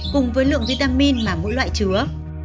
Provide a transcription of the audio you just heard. cùng với lượng vitamin mà mỗi loại chứa